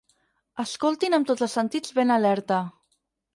Escoltin amb tots els sentits ben alerta.